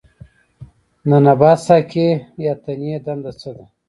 د نبات ساقې یا تنې دنده څه ده